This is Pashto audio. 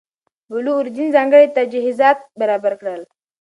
بلو اوریجن ځانګړي تجهیزات برابر کړل.